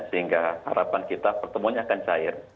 sehingga harapan kita pertemuannya akan cair